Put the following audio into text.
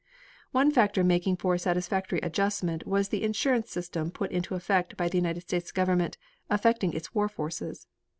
One factor making for satisfactory adjustment was the insurance system put into effect by the United States Government, affecting its war forces.